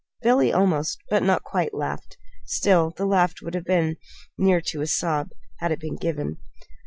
Billy almost but not quite laughed. Still, the laugh would have been near to a sob, had it been given.